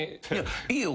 いいよ。